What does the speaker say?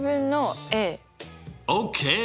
ＯＫ！